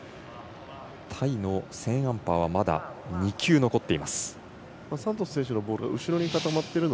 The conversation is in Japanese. タイのセーンアンパーはまだ２球残っています。